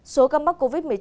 số cao mắc covid một mươi chín